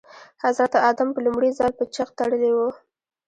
حضرت ادم په لومړي ځل په جغ تړلي وو.